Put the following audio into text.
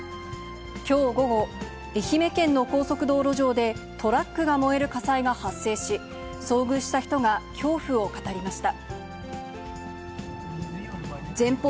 きょう午後、愛媛県の高速道路上で、トラックが燃える火災が発生し、遭遇した人が恐怖を語りました。